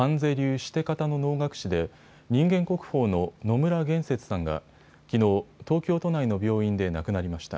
シテ方の能楽師で人間国宝の野村幻雪さんがきのう、東京都内の病院で亡くなりました。